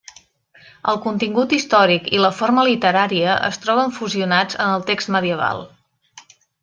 El contingut històric i la forma literària es troben fusionats en el text medieval.